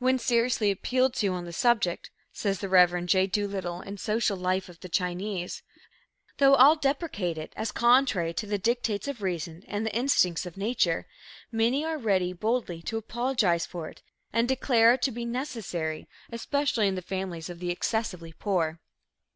"When seriously appealed to on the subject," says the Rev. J. Doolittle in Social Life of the Chinese, "though all deprecate it as contrary to the dictates of reason and the instincts of nature, many are ready boldly to apologize for it and declare it to be necessary, especially in the families of the excessively poor."